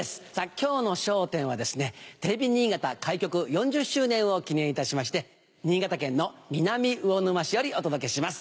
今日の『笑点』はですねテレビ新潟開局４０周年を記念いたしまして新潟県の南魚沼市よりお届けします。